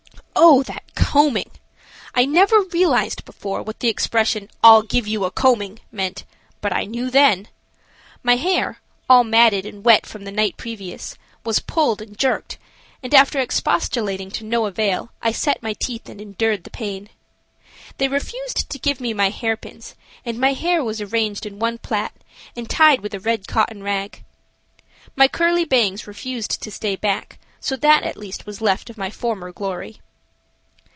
Oh, that combing! I never realized before what the expression "I'll give you a combing" meant, but I knew then. My hair, all matted and wet from the night previous, was pulled and jerked, and, after expostulating to no avail, I set my teeth and endured the pain. They refused to give me my hairpins, and my hair was arranged in one plait and tied with a red cotton rag. My curly bangs refused to stay back, so that at least was left of my former glory.